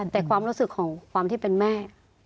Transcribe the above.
แต่ความรู้สึกของความที่เป็นแม่